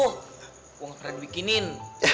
aku enggak keren bikinin